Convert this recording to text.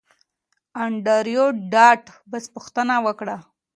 انډریو ډاټ باس پوښتنه وکړه